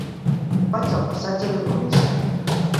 Vaig al passatge de Gomis.